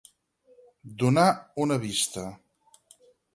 Donar una vista.